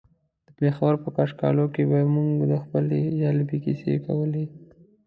د پېښور په کاکشالو کې به يې موږ ته خپلې جالبې کيسې کولې.